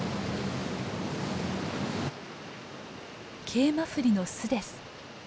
ケイマフリの巣です。